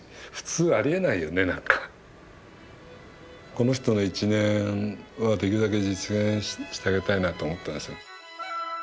この人の一念はできるだけ実現してあげたいなと思ったんですよね。